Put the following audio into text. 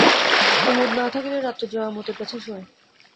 কুমুদ না থাকিলে রাত্রে জয়া মতির কাছে শোয়।